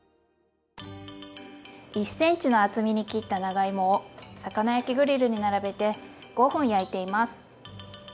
１ｃｍの厚みに切った長芋を魚焼きグリルに並べて５分焼いています。